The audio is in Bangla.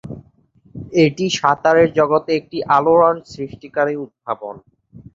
এটি সাঁতারের জগতে একটি আলোড়ন সৃষ্টিকারী উদ্ভাবন।